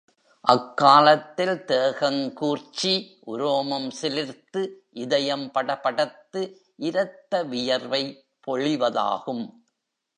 அக்காலத்தில் தேகங்கூர்ச்சி, உரோமம் சிலிர்த்து, இதயம் படபடத்து, இரத்த வியர்வை பொழிவதாகும்.